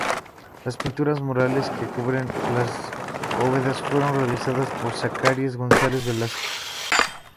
Las pinturas murales que cubren las bóvedas fueron realizadas por Zacarías González Velázquez.